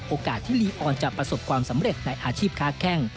โอกาสที่ลีออนจะประสบความสำเร็จในอาชีพค้าแข้ง